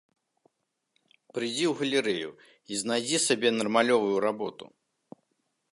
Прыйдзі ў галерэю і знайдзі сабе нармалёвую работу!